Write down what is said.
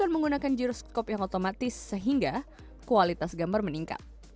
tapi menggunakan gyroscope yang otomatis sehingga kualitas gambar meningkat